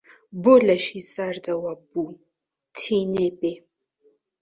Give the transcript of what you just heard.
بۆ لەشی ساردەوە بوو تینێ بێ؟